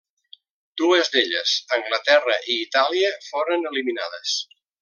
Dues d'elles, Anglaterra i Itàlia, foren eliminades.